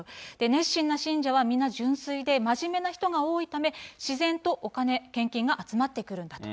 熱心な信者はみんな純粋で、真面目な人が多いため、自然とお金、献金が集まってくるんだと。